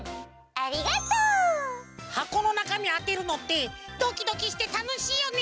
ありがとう！はこのなかみあてるのってドキドキしてたのしいよね！